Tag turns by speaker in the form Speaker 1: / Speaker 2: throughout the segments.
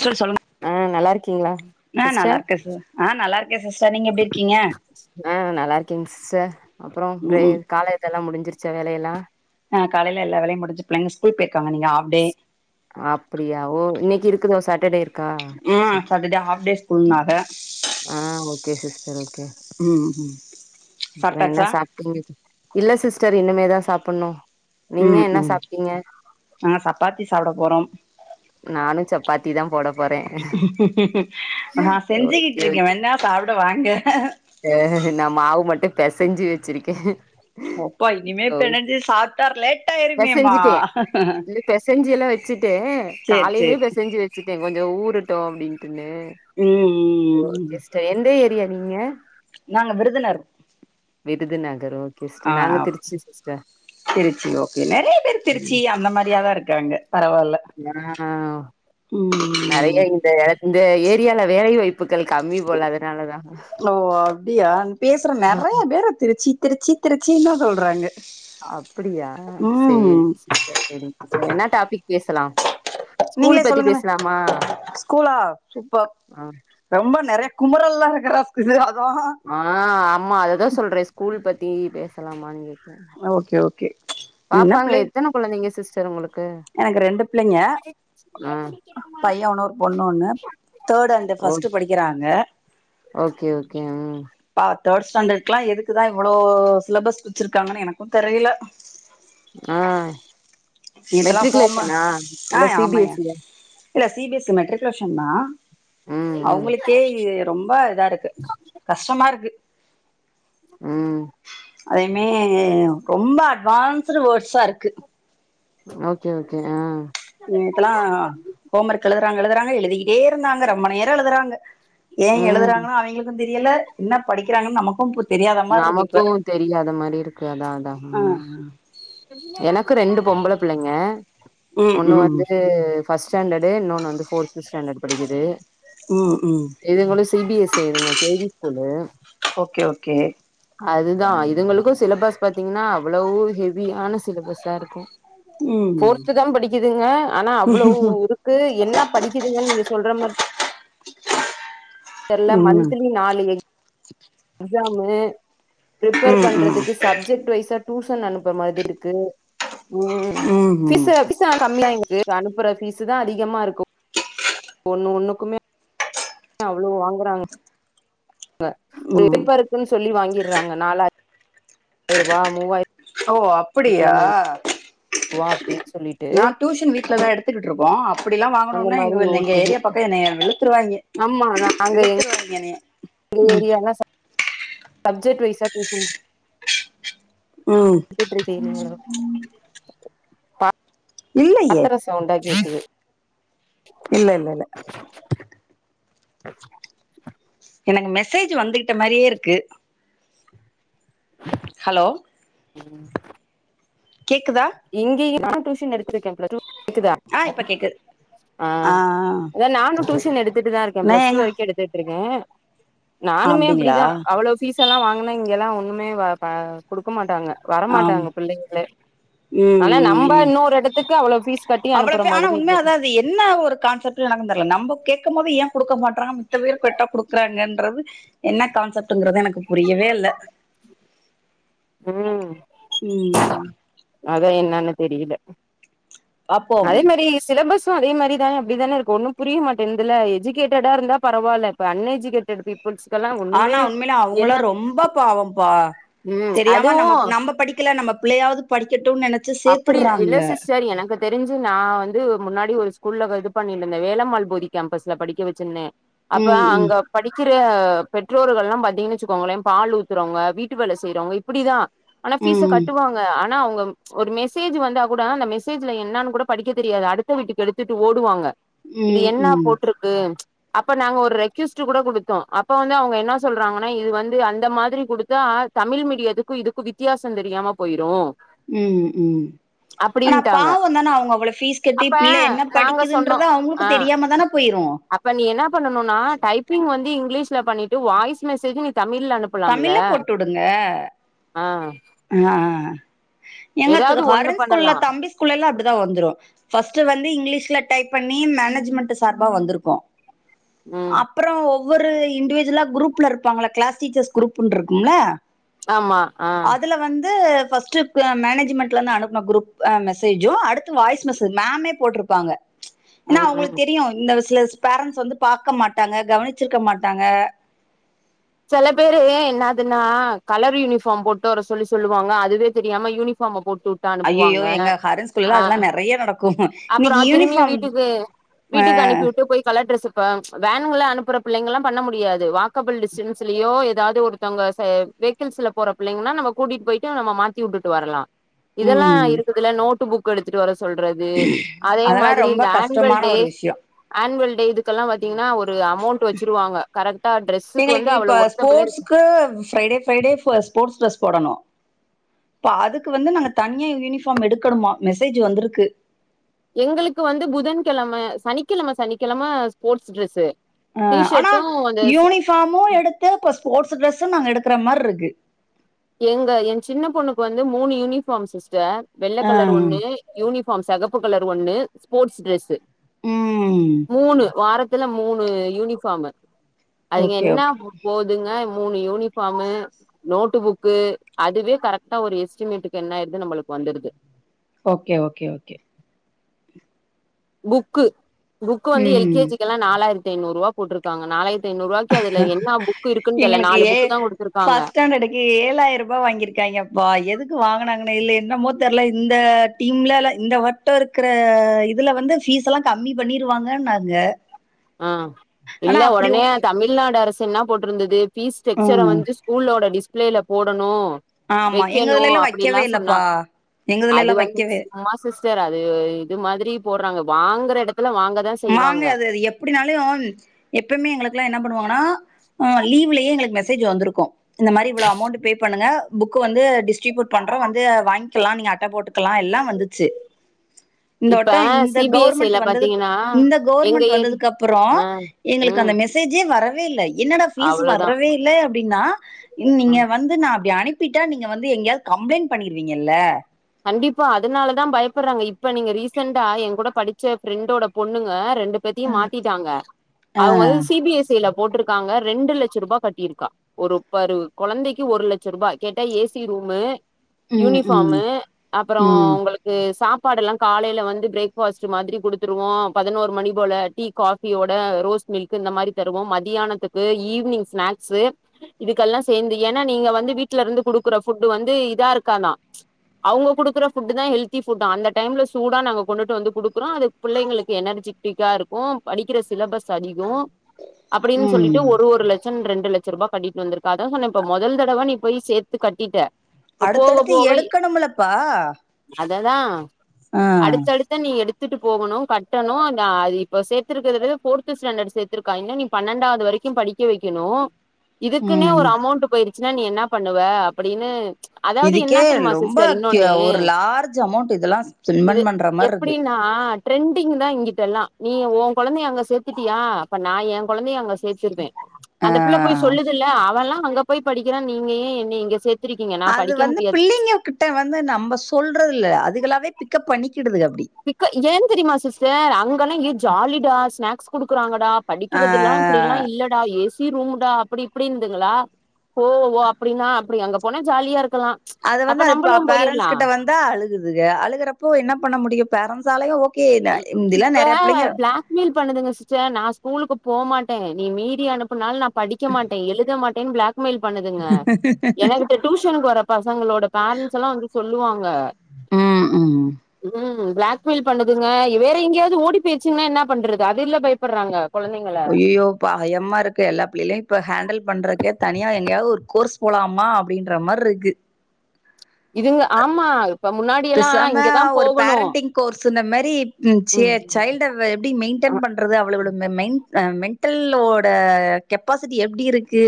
Speaker 1: சொல் சொல்லுங்க
Speaker 2: ஆ நல்லா இருக்கீங்களா
Speaker 1: நா நல்லா
Speaker 2: சிஸ்டர்?
Speaker 1: இருக்கே ச ஆ நல்லா இருக்கே சிஸ்டர் நீங்க எப்டி இருக்கீங்க
Speaker 2: ஆ நா நல்லா இருக்கேங் சிஸ்டர் அப்புறோ ப்ரே
Speaker 1: ம்
Speaker 2: கால இதெல்லா முடிஞ்சிருச்சா வேல எல்லா
Speaker 1: ஆ காலைல எல்லா வேலையு முடிஞ்சு பிள்ளைங்க ஸ்கூல் பேர்க்காங்க இன்னிங்கு ஆப் டே
Speaker 2: அப்டியா ஓ இன்னைக்கு இருக்குதோ சாட்டர்டே இரு
Speaker 1: ம் சட்டர்டே ஹாஃப் டே ஸ்கூல்னாக
Speaker 2: ஆ ஓகே சிஸ்டர் ஓகே
Speaker 1: ம் ம் சாப்ட்டாச்சா
Speaker 2: இல்ல சிஸ்டர் இனுமேதா சாப்புட்ணு நீங்க
Speaker 1: ம்
Speaker 2: என்ன
Speaker 1: ம்
Speaker 2: சாப்ட்டீங்க
Speaker 1: நாங்க சப்பாத்தி சாப்ட போறோ
Speaker 2: நானு சப்பாத்தி தா போட போறே
Speaker 1: நா
Speaker 2: ஓகே
Speaker 1: செஞ்சுக்கிட்ருக்கே வேன்னா சாப்ட வாங்க
Speaker 2: த நா மாவு மட்டு பெசஞ்சு வச்சிருக்கே
Speaker 1: ஒப்பா இனிமே
Speaker 2: ஓ
Speaker 1: பெனஞ்சு சாப்ட்டா லேட் ஆய்ருமேமா
Speaker 2: பெசஞ்சுட்டே இல்ல பெசஞ்சு எல்லா வச்சுட்டே காலைலே
Speaker 1: சேரி
Speaker 2: பெசஞ்சி வ ச்சுட்டேன் கொஞ்சோ ஊரட்டு அப்டின்ட்டுன்னு
Speaker 1: ம்
Speaker 2: எந்த ஓ
Speaker 1: ம்
Speaker 2: சிஸ்டர் எந்த ஏரியா நீங்க
Speaker 1: நாங்க விருதுனரு
Speaker 2: விருதுநகரோ
Speaker 1: ஆ அ ஓகே திருச்சி ஓகே நறைய பேரு திருச்சி அந்த மாரியாதா இருக்காங்க பரவால்ல
Speaker 2: நா
Speaker 1: ம்
Speaker 2: நறையா இந்த இந்த ஏரியால வேலை வாய்ப்புகள் கம்மி போல அதுனாலதா
Speaker 1: ஓ அப்டியா பேசுற நெறைய பேரு திருச்சி திருச்சி திருச்சின்தா சொல்றாங்க
Speaker 2: அப்பிடியா சேரி
Speaker 1: ம்
Speaker 2: சிஸ்டர் சேரிங் சிஸ்டர் என்ன டாபிக் பேசுலா
Speaker 1: நீங்களே சொல்லுங்களே ஸ்கூலா சூப்பர்
Speaker 2: ஆ
Speaker 1: ரொம்ப நெறய குமுரல்லா இருக்குற ஸிசு அதா
Speaker 2: ஆ ஆமா அத தா சொல்றே ஸ்கூல் பத்தி பேசலாமான் கேக்ற
Speaker 1: ஓகே ஓகே என்ன
Speaker 2: பாப்பாங்க
Speaker 1: பிள்ளை
Speaker 2: எத்தன குழந்தைங்க சிஸ்டர் உங்களு
Speaker 1: எனக்கு ரெண்டு பிள்ளைங்க
Speaker 2: ஆ
Speaker 1: பைய ஒன்னு ஒரு பொண்ணு ஒன்னு தேர்ட் அண்டு ஃபஸ்ட்டு
Speaker 2: ஓகே
Speaker 1: படிக்கிறாங்க
Speaker 2: ஓகே ஓகே ம்
Speaker 1: பா தேர்ட் ஸ்டாண்டர்க்குலா எதுக்குதா இவளோ சிலபஸ் குடுத்துருக்காங்கனு எனக்கு தெரில
Speaker 2: ஆ
Speaker 1: இதெல்லா ஹோம
Speaker 2: மெட்ரிகுலேஷனா
Speaker 1: ஆ
Speaker 2: இல்ல சி பி
Speaker 1: ஆமாயா
Speaker 2: எஸ் இ ஆ
Speaker 1: இல்ல சி பி எஸ் சி மெட்ரிகுலேஷன்தா
Speaker 2: ம் ம்
Speaker 1: அவுங்களுக்கே இது ரொம்ப இதாருக்கு கஷ்டமாருக்கு
Speaker 2: ம்
Speaker 1: அதேமே ரொம்ப அட்வான்ஸ்டு வேர்ட்ஸா இருக்கு
Speaker 2: ஓகே ஓகே ஆ
Speaker 1: நேத்தெலா ஹோம் ஒர்க் எழுதறாங்க எழுதறாங்க எழுதிக்கிட்டே இருந்தாங்க ரொம்ப நேரோ எழுதறாங்க ஏ
Speaker 2: ம்
Speaker 1: எழுதறாங்கனு அவிங்களுக்கு தெரியல என்னப் படிக்கிறாங்கன் நமக்கும் புர்
Speaker 2: நமக்கு தெரியாத மாரி இருக்கு அதா அதா
Speaker 1: ஆ
Speaker 2: ம் எனக்கு ரெண்டு பொம்பள பிள்ளைங்க
Speaker 1: ம்
Speaker 2: ஒன்னு
Speaker 1: ம்
Speaker 2: வந்து ஃபஸ்ட் ஸ்டாண்டடு இன்னொன்னு வந்து ஃபோர்த் ஸ்டாண்டட் படிக்குது
Speaker 1: ம் ம்
Speaker 2: இதுங்களு சி பி எஸ் இ இதுங்க K V school
Speaker 1: okay okay
Speaker 2: அதுதா இதுங்களுக்கு சிலபஸ் பாத்தீங்கினா அவ்ளோவ் ஹெவியான சிலபஸ்தா இருக்கு
Speaker 1: ம் ம்
Speaker 2: ஃபோர்த்துதா படிக்குதுங்க ஆனா அவ்ளவு இருக் கு என்னாப் படிக்குதுங்கன் நீங்க சொல்ற மார்த் தெர்ல
Speaker 1: ம்
Speaker 2: மந்த்திலி நாலு எய் எக்ஸாமு பிரிப்பேர்
Speaker 1: ம்
Speaker 2: பண்றதுக்கு சப் ஜட் வைசா டியூஷன் அனுப்ப மாதிர்ருக்கு ம்
Speaker 1: ம்
Speaker 2: ஃபீஸே ஃபிஸ் சான் கம்மிதா எங்கக்கு அனுப்புற பீஸ்சுதா அதிகமா இருக்கு ஒன்னு ஒன்னுக்குமே அவ்ளோ வாங்கறாங் க ஒரு
Speaker 1: ம் ம்
Speaker 2: பேப்பருக்குன் சொல்லி வாங்கிர்றாங்க நாலாயிரபா மூவாயி
Speaker 1: ஓ அப்புடியா
Speaker 2: ரூவா அப்டின்னு சொல்லிட்டு
Speaker 1: நா டியூஷன் வீட்லதா எடுத் த்துக்கிட்ருக்கோ அப்பிடிலா
Speaker 2: அந்த
Speaker 1: வாங்குனோம்னா எங்க
Speaker 2: மாரி
Speaker 1: வன் எங்க
Speaker 2: ஓடுது
Speaker 1: ஏரியாப் பக்கோ என்னைய வெளுத்துருவாய்ங்க வெளுத்துருவாய்ங்க எனய
Speaker 2: ஏரியாலா ச சப்ஜெக்ட் வைஸா டியூசன்
Speaker 1: ம்
Speaker 2: எட்த்துட்ருக்கீங்ளோ
Speaker 1: இல்லையே
Speaker 2: ஆத்தர சவுண்ட்டா கேக்குது
Speaker 1: இல்ல இல்ல இல்ல எனக்கு மெசேஜ் வந்துகிட்ட மாரியே இருக்கு ஹலோ.
Speaker 2: ம்.
Speaker 1: கேக்குதா.
Speaker 2: இங்கேயு நா டியூஷன் எடுத்து இருக்கே பிளஸ் டூ கேக்குதா
Speaker 1: ஆ இப்ப கேக்குது
Speaker 2: ஆ அத நாங்க டூச் ஷன் எடுத்துட்டுதா இருக்கே
Speaker 1: நா
Speaker 2: பிளஸ் டூ
Speaker 1: எங்க
Speaker 2: வரைக்கு எடுத்துட்ருக்கே நானுமே
Speaker 1: அப்டிங்களா
Speaker 2: அப்டிதா அவ்ளோப் ஃபீஸ் அல்லா வாங்கனா இங்கலா ஒன்னுமே வ ப குடுக்க மாட்டாங்க
Speaker 1: ஆம்
Speaker 2: வரமாட்டாங்க பிள்ளைங்ளே அல்லா நம்ப இன்னொரு எடத்துக்கு அவ்ளோவ்
Speaker 1: அவ்ளவே ஆனா உண்மையா அதா அது என்ன ஒரு கான்செப்ட் [unintelligible] நம்போ கேட்கம்போது ஏ குடுக்க மாட்றான் மித்த பேரு கேட்டா குடுக்கறாங்கன்றது என்ன கான்செப்ட்டுங்கிறது எனக்கு புரியவே இல்ல
Speaker 2: ம்.
Speaker 1: ம்.
Speaker 2: அதா என்னானு தெரியில
Speaker 1: அப்போ
Speaker 2: அதே மாரி சிலபஸ் து அதே மாரிதாக அப்டிதான இருக்கு ஒன்னும் புரிய மாட்டேன்து இல்ல எஜுகேட்டடா இருந்தா பரவால்ல இப்ப அன் எஜுகேட்டட் பீப்பிள் ஃப்ரெண்ஸுக்கெல்லா ஒண்ணுமே
Speaker 1: ஆனா உண்மையில அவங்களா
Speaker 2: என்னா
Speaker 1: ரொம்ப பாவம் பா தெரியாம நம்ப
Speaker 2: அதுவும்
Speaker 1: நம்ப படிக்கல நம்ம புள்ளையாவது படிக்கட்டுனு நெனச்
Speaker 2: அப்டி இல்ல சிஸ்டர் எனக்கு தெரிஞ்சு நா வந்து முன்னாடி ஒரு ஸ்கூல்ல இது பண்ணினுந்த வேலம்மாள் போதி கேம்பஸ்ல படிக்க வச்சிருந்த அப்ப
Speaker 1: ம் ம்
Speaker 2: அங்க படிக்கிற பெற்றோர்கள்லா பாத்தீங்கன்னா வச்சுக்கோங்கள பால் ஊத்தறவங்க வீட்டு வேல செய்றவங்க இப்டிதா ஆனா ஃபீஸ
Speaker 1: ம்
Speaker 2: கட்டுவாங்க ஆனா அவுங்க ஒரு மெசேஜ் வந்தா கூடா அந்த மெசேஜ்ல என்னானு கூட படிக்க தெரியாது அடுத்த வீட்டுக்கு எடுத்துட்டு ஓடுவாங்க இது
Speaker 1: ம்
Speaker 2: என்ன
Speaker 1: ம்
Speaker 2: போட்டுருக்கு அப்ப நாங்க ஒரு ரெக்யூஸ்ட் கூட குடுத்தோ அப்ப வந்து அவுங்க என்ன சொல்றாங்கன்னா இது வந்து அந்த மாதிரி குடுத்தா தமிழ் மீடியத்துக்கு இதுக்கு வித்தியாசோ தெரியாம போயிரு
Speaker 1: ம் ம்.
Speaker 2: அப்டி
Speaker 1: ஆனா பாவந்தான அவுங்க அவ்ளோ ஃபீஸ் கட்டி பிள்ள என்ன
Speaker 2: நாங்க
Speaker 1: படிக்குதுன்றத அவுங்களுக்கு தெரியாம தான போயிரு
Speaker 2: இப்ப நீ என்ன பண்ணனுனா டைப்பிங் வந்து இங்கிலீஷ்ல பண்ணிட்டு வாய்ஸ் மெசேஜு நீ தமிழ்ல அனுப்
Speaker 1: தமிழ்ல போட்டு உடுங்க
Speaker 2: ஆ
Speaker 1: அஹ்
Speaker 2: ஏதாவது
Speaker 1: எங்கக்கு
Speaker 2: ஒண்ணு
Speaker 1: ஹரன் ஸ்கூல்ல
Speaker 2: பண்ணலா
Speaker 1: தம்பி ஸ்கூல்ல எல்லா அப்டிதா வந்துரூ ஃபர்ஸ்ட் வந்து இங்கிலீஷ்ல டைப் பண்ணி மேனேஜ்மெண்ட் சார்பா வந்துருக்கு
Speaker 2: ம்
Speaker 1: அப்பறோ ஒவ்வொரு இண்டிஜுவலா குரூப்ல இருப்பாங்கல்ல க்ளாஸ் டீச்சர்ஸ் குரூப்னு டுருக்கும்ல
Speaker 2: ஆமா ஆ
Speaker 1: அதுல வந்து ஃபர்ஸ்ட் மேனேஜ்மெண்ட்ல இருந்து அனுப்பன குரூப் மெசேஜு அடுத்து வாய்ஸ் மெசேஜ் மேமே போட்ருப்பாங்க ஏன்னா
Speaker 2: ம் ம்
Speaker 1: அவங்களுக்கு தெரியு இந்த சில பேரண்ட்ஸ் வந்து பாக்க மாட்டாங்க கவனிச்சிருக்க மாட்டாங்க
Speaker 2: செல பேரு என்னதுன்னா கலர் யூனிஃபார்ம் போட்டு வர சொல்லி சொல்லுவாங்க அதுவே தெரியாம யூனிஃபார்ம் போட்டுட் டு
Speaker 1: ஐயோ
Speaker 2: அனுப்புவாங்க
Speaker 1: எங்க ஹாரன் ஸ்கூல்ல
Speaker 2: அ
Speaker 1: அதெல்லாம் நெறைய நடக்கும்
Speaker 2: அப்பறோ
Speaker 1: இன்னைக்கு
Speaker 2: திரும்பியு
Speaker 1: யூனிஃபார்ம்
Speaker 2: வீட்டுக்கு வீட்டுக்கு அனுப்பி உட்டு போய் கலர் டிரெஸ்ப்ப வேன்கள அனுப்புற புள்ளைங்கல்லா பண்ண முடியாது வாக்கபள் டிஸ்டன்ஸ் சில்லியோ எதாவது ஒருத்தவங்க வேகிள்ஸ்ல போற புள்ளைங்கன்னா நம்ம கூட்டிட்டு போய்ட்டு நம்ம மாத்தி உட்டுட்டு வரலா இதெல்லா
Speaker 1: ம்
Speaker 2: இருக்குதுல்ல நோட்டு புக் எடுத்துட்டு வர சொல்றது அதே
Speaker 1: அதெல்லா
Speaker 2: மாதிரி
Speaker 1: ரொம்ப
Speaker 2: இந்த ஆன்வல்
Speaker 1: கஷ்டமான
Speaker 2: டே
Speaker 1: ஒரு விஷயோ
Speaker 2: ஆன்வல் டே இதுக்கெல்லா பாத்தீங்கன்னா ஒரு அமௌண்ட் வச்சிருவாங்க கரெக்டா டிரெஸ்க்கு வந்
Speaker 1: எங்களுக்கு இப்ப ஸ்போர்ட்ஸ்க்கு ஃப்ரைடே ஃப்ரைடே ஸ்போர்ட்ஸ் டிரஸ் போடணு இப்ப அதுக் வந்து நாங்க தனியா யூனிஃபார்ம் எடுக்கணுமா மெசேஜ் வந்துருக்கு
Speaker 2: எங்களுக்கு வந்து புதன் கெழம சனிக்கிழம சனிக்கிழம ஸ்போர்ட்ஸ் டிரெஸ்ஸு
Speaker 1: அ ஆனா யூனிஃபார்மு எடுத்து இப்ப ஸ்போர்ட்ஸ் ட்ரெஸ்ஸு நாங்க எடுக்கற மார்ருக்கு
Speaker 2: எங்க எ சின்ன பொண்ணுக்கு வந்து மூணு யூனிஃபார்ம் சிஸ்டர் வெள்ள
Speaker 1: ஆ
Speaker 2: கலர் ஒண்ணு யூனிஃபார்ம் செகப்பு கலர் ஒண்ணு ஸ்போர்ட்ஸ் டிரெஸ்ஸு
Speaker 1: ம்
Speaker 2: மூணு வாரத்துல மூணு யூனிஃபார்மு அதுங்க
Speaker 1: ஓகே
Speaker 2: என்ன
Speaker 1: ஓகே
Speaker 2: போதுங்க மூணு யூனிஃபார்மு நோட்டு புக் கு அதுவே கரெக்டா ஒரு எஸ்டிமேட்டுக்கு என்ன ஆயிருது நம்மளுக்கு வந்துடுது
Speaker 1: okay okay okay.
Speaker 2: Book book வந்து எல்
Speaker 1: ம்
Speaker 2: கே ஜி எல்லா நாலாயிரத்தி ஐநூறு ருவா போட்ருக்காங்க நாலாயிரத்தி ருவாய்க்கு அதுல என்ன புக் இருக்குன்
Speaker 1: எங்களுக்கு
Speaker 2: நாலு
Speaker 1: ஏ
Speaker 2: புக்கு தா குடுத்துருக்காங்க
Speaker 1: ஃபர்ஸ்ட் ஸ்டாண்டர்டுக்கு ஏழாயிர ருபா வாங்கிருக்காய்ங்கப்பா எதுக்கு வாங்கனாங்கன்னா இல்ல என்னமோ தெர்ல இந்த டீம்லல்ல இந்த வட்ட இருக்கற இதுல வந்து பீஸல்லா கம்மி பண்ணிருவாங்கன்னாங்க
Speaker 2: [inaudible] ஆ
Speaker 1: ஆனா
Speaker 2: இல்ல
Speaker 1: அப்டி ஒ
Speaker 2: ஒடனே தமிழ்நாடு அரசு என்ன போட்டிருந்தது பீஸ் ஸ்ட்ரக்சர
Speaker 1: ம்
Speaker 2: வந்து ஸ்கூலோட டிஸ்பிளேல போடணு
Speaker 1: ஆமா எங்க
Speaker 2: வைக்கணு
Speaker 1: இதுலலா
Speaker 2: அப்டி எல்லா
Speaker 1: வைக்கவே இல்லப்பா
Speaker 2: சொன்னாங்
Speaker 1: எங்க
Speaker 2: அது
Speaker 1: இதுலலா
Speaker 2: வந்து
Speaker 1: வைக்க
Speaker 2: சும்மா சிஸ் டர் அது இது மாதிரி போட்றாங்க வாங்கற எடத்துல வாங்கதா
Speaker 1: வாங்க
Speaker 2: செய்வாங்க
Speaker 1: அது அது எப்படினாலு எப்பமே எங்களுக்குல்லா என்ன பண்ணு வாங்கன்னா லீவுலயே எங்களுக்கு மெசேஜ் வந்திருக்கு இந்த மாரி இவ்ளோ அமௌண்ட் பே பண்ணுங்க புக் வந்து டிஸ்டரிபியூட் பண்றோ வந்து வாங்கிக்கலா நீங்க அட்ட போட்டு க்கலா எல்லா வந்துச்சு
Speaker 2: [inaudible]
Speaker 1: இந்த வட்டோ இந்த
Speaker 2: C B S C
Speaker 1: government
Speaker 2: ல
Speaker 1: வந்தது
Speaker 2: பாத்தீங்கன்னா
Speaker 1: இந்த
Speaker 2: எங்க
Speaker 1: கவர்மெண்ட்
Speaker 2: ஏரி
Speaker 1: வந்ததுக்கு அப்றோ
Speaker 2: ஆ
Speaker 1: எங்களுக்கு
Speaker 2: ம்
Speaker 1: அந்த மெ மெசேஜ்யே வரவே இல்ல என்னடா ஃபீஸ்
Speaker 2: அவ்ளோதா
Speaker 1: வரவே இல்ல அப்டின்னா நீங்க
Speaker 2: ம்
Speaker 1: வந்து நா அப்டி அனுப் அனுப்பிட்டா நீங்க வந்து எங்கயாவது கம்ப்ளைண்ட் பண்ணிருவீங்கல்ல
Speaker 2: கண்டிப்பா அதனால தா பயப்படுறாங்க இப்ப நீங்க ரீசெண்டா ஏ கூட படிச்ச ஃபிரெண்டோட பொண்ணுங்க ரெண்டு பத்தி
Speaker 1: ம்.
Speaker 2: மாத்திட்டாங்க
Speaker 1: ஆ
Speaker 2: அவங்க வந்து சி பி எஸ் சி ல போட்டிருக்காங்க ரெண்டு லட்ச ரூபா கட்டியிருக்கா ஒரு பரு கொழந்தைக்கு ஒரு லட்சோ ரூபா கேட்டா ஏ சி ரூமு
Speaker 1: ம் ம்
Speaker 2: யூனிபார்மு அப்றோ
Speaker 1: ம்
Speaker 2: உங்களுக்கு சாப்பாடு எல்லா காலைல வந்து பிரேக்பாஸ்ட் மாரி குடுத்துருவோ பதினோரு மணி போல டீ காபி யோட ரோஸ் மில்க் இந்த மாரி தருவோ மதியானத்துக்கு ஈவினிங் ஸ்நாக்ஸ்சு இதுக்கெல்லா சேந்து ஏன்னா நீங்க வந்து வீட்ல இருந்து குடுக்குற ஃபுட்டு வந்து இதா இருக்காதா அவங்க குடுக்குற ஃபுட் தா ஹெல்தி ஃபுட் அந்த டைம்ல சூடா நாங்க கொண்டுட்டு வந்து குடுக்குறோ அது புள்ளைங்களுக்கு எனர்ஜி ட்டிக்கா இருக்கு படிக்கிற சிலபஸ் அதிகோ அப்படின்னு சொல்லிட்டு
Speaker 1: ம்
Speaker 2: ஒரு ஒரு லட் சன் ரெண்டுலட்ச ரூபா கட்டிட்டு வந்திருக்கா அதா சொன்ன இப்ப மொதல் தடவ நீ போய் சேத்து கட்டிட்ட இப்ப போக
Speaker 1: அடுத்தடுத்து
Speaker 2: போக
Speaker 1: எடுக்கணும்லப்பா
Speaker 2: அததா
Speaker 1: ஆ
Speaker 2: அடுத்தடுத் எத நீ எடுத்துட்டு போகணு கட்டணு அத இப்ப சேத்துக்கறது ஃபோர்த்ரு ஸ்டாண்டர்ட் சேத்து திருக்கா இன்னு நீ பன்னெண்டாவது வரைக்கு படிக்க வைக்கணு இதுக்குன்னே
Speaker 1: ம்
Speaker 2: ஒரு அமௌண்ட் போயிருச்சுன்னா நீ என்ன பண்ணுவ அப்டின்னு அதாவது என்ன
Speaker 1: இதுக்கே
Speaker 2: தெரியுமா
Speaker 1: ரொம்ப
Speaker 2: சிஸ்டர்
Speaker 1: க்ய
Speaker 2: இன்னொன்னு
Speaker 1: ஒரு லார்ஜ் அமௌண்ட் இதெல்லா
Speaker 2: இது
Speaker 1: ஸ்பெண்ட் பண்ற மார்ருக்கு
Speaker 2: எப்படினா ட்ரெண்டிங் தா இங்கிட்டெல்லா நீ உ கொழந்தைய அங்கே சேத்துட்டியா அப்போ நா ஏ கொழந்தைய அங்கே சேத்துருவே
Speaker 1: ஆ
Speaker 2: அந்த புள்ள போய் சொல்லுதுல்ல அவெல்லா அங்க போய் படிக்கிறா நீங்க ஏ என்னய இங்க சேத்
Speaker 1: அது வந்து பிள்ளைங்க கிட்ட வந்து நம்ம சொல்றது இல்ல அதுகளாவே பிக்கப் பண்ணிக்கிடுதுக அப்டி
Speaker 2: பிக் ஏ தெரியுமா சிஸ்டர் அங்கன்னா ஏய் ஜாலிடா ஸ்நாக்ஸ் குடுக்குறாங்கடா
Speaker 1: ஆ
Speaker 2: படிக்கிறது எல்லா இப்படி எல்லா இல்லடா ஏ சி ரூம்டா அப்டி இப்டி இன்னுதுங்களா ஓ ஓ அப்டின்னா அப்டி அங்க போனா ஜாலியா இருக்கலா
Speaker 1: அத வந்து
Speaker 2: அப்ப
Speaker 1: அது
Speaker 2: நம்பளு
Speaker 1: பேரன்ட்ஸ்
Speaker 2: போயிர்லா
Speaker 1: கிட்ட வந்தா அழுகுதுக அழுகுறப்போ என்ன பண்ண முடியு பேரன்சாலயு கேதா இந்தில்லா நெறைய புள்ளிங்க
Speaker 2: பீல் பண்ணுதுங்க சிஸ்டர் நா ஸ்கூலுக்கு போமாட்டே நீ மீறி அனுப்பினாலு நா படிக்க மாட்டே எழுத மாட்டே பிளாக்மெயில் பண்ணுதுங்க எனக் டியூஷனுக்கு வர பசங்களோட பேரண்ட்ஸ் எல்லா வந்து சொல்லுவாங்க
Speaker 1: ம் ம்
Speaker 2: ம் பிளாக் மெயில் பண்ணுதுங்க வேற எங்கேயாவது ஓடி போயிருச்சுங்கன்னா என்ன பண்றது அதுல்ல பயப்பட்றாங்க
Speaker 1: ஐயய்யோ பயமா இருக்கு எல்லா பிள்ளைகலையு இப்போ ஹேண்டல் பண்றக்கே தனியா எங்கயாவது ஒரு கோர்ஸ் போலாமா அப்படின்ற மாரி இருக்கு
Speaker 2: இதுங்க ஆமா இப்ப முன்னாடி எல்லா
Speaker 1: பேசாம
Speaker 2: இங்கதா
Speaker 1: ஒரு
Speaker 2: போகணு
Speaker 1: பேரண்டிங் கோர்ஸ் இந்த மாரி சே
Speaker 2: ம்
Speaker 1: சைல்ட் எப்டி
Speaker 2: ஆ
Speaker 1: மெயின்டென் பண்றது அவள் அவளோட மெ மென்டலோட கெப் ப்பாசிட்டி எப்டி இருக்கு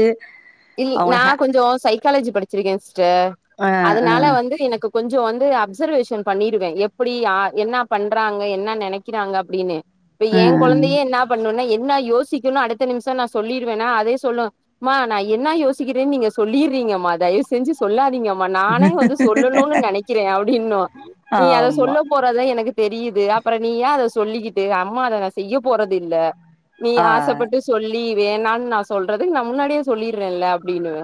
Speaker 2: இல் நா
Speaker 1: அவங்கள ஹே
Speaker 2: கொஞ்சோ சைக்காலஜி படிச்சிருக்கே சிஸ்டர்
Speaker 1: அ அ
Speaker 2: அதனால வந்து எனக்கு கொஞ்சோ வந்து அப்சர்வேஷன் பண்ணிருவே எப்டி யா என்னா பண்றாங்க என்ன நெனைக்கிறாங்க அப்டின்னு இப்ப
Speaker 1: அ
Speaker 2: ஏ கொழந்தையே என்ன பண்ணுனு, என்ன யோசிக்குணு அடுத்த நிமிஷ நா சொல்லிருவேனா அதே சொல்லு, மா நா என்னா யோசிக்கிறேன்னு நீங்க சொல்லிறீங்கமா தயவு செஞ்சு சொல்லாதீங்கம்மா நானே வந்து சொல்லணுனு நெனைக்கிறே அப்டின்னு, நீ அத
Speaker 1: ஆமா
Speaker 2: சொல்ல போ றத எனக்கு தெரியுது அப்பற நீ ஏ அத சொல்லிக்கிட்டு, அம்மா அத நா செய்ய போறது இல்ல நீ
Speaker 1: ஆ
Speaker 2: ஆசைப்பட்டு சொல்லி வேணானு நா சொல்றதுக்கு நா முன்னாடியே சொல்லிறேன்ல அப்டின்னுவ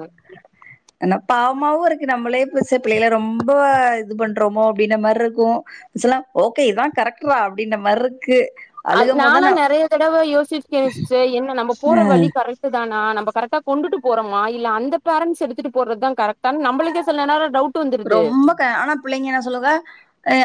Speaker 1: ஆனா பாவமாவு இருக்கு நம்மளே பச்ச பிள்ளைகள ரொம்ப இது பண்றோமோ அப்டின்ன மாரி இருக்கு சில ஓகே இதா கரெக்ட்ரா அப்படின்ற மாரி இருக்கு
Speaker 2: அது
Speaker 1: அழுகும் போதுதா
Speaker 2: நான்லா
Speaker 1: நா அ
Speaker 2: நெறைய தடவ யோசிச்சுருக்கே சிஸ்டர் என்ன நம்ம போற வழி கரெ ட்டுதானா நம்ம கரெக்டா கொண்டுட்டு போறோமா இல்ல அந்த பேரன்ஸ் எடுத்துட்டு போறதுதா கரெக்ட்டானு நம்பளுக்கே சில நேரம் டவுட் வந்துருது
Speaker 1: ரொம்ப க ஆனா புள்ளைங்க என்ன சொல்லுங்க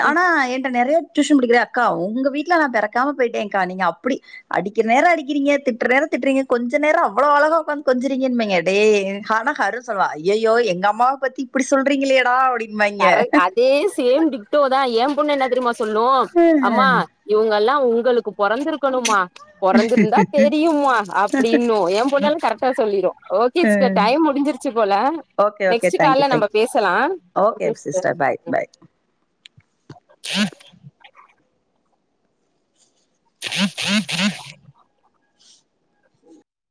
Speaker 1: ஆனா என்ட்ட நெறைய டியூஷன் படிக்கிற அக்கா உங்க வீ்ட்ல நா பிறக்காம போயிட்டேங்க்கா நீங்க அப்டி அடிக்கிற நேரோ அடிக்கிறீங்க திட்ற நேரோ திட்டுறீங்க கொஞ்ச்சிற நேர அவ்வளோ அழகா உட்காந்து கொஞ்சறீங்கன்னுன்பாங்க, டேய், ஆனா ஹரு சொல்லுவா ஐய்யயோ எங்க அம்மாவ பத்தி இப்டி சொல்றீங்களேடா அப்டின்னு
Speaker 2: கரெ அதே சேம் டிட்டோ தா ஏ பொண்ணு என்ன தெரியுமா சொல்லு, அம்மா இவங்கல்லா உங்களுக்கு பொறந்திருக்கணுமா பொறந்திருந்தா தெரியுமா அப்டின்னு ஏ பொண்ணல்லா கரெக்டா சொல்லிரு, ஓ கே சிஸ்டர் டைம் முடிஞ்சிருச்சு போல,
Speaker 1: ஓகே ஓகே
Speaker 2: நெக்ஸ்ட்
Speaker 1: தேங்க்யூ
Speaker 2: கால்ல நம்ப
Speaker 1: தேங்க்யூ
Speaker 2: பேசலா
Speaker 1: ஓகே சிஸ்டர், பாய், பாய்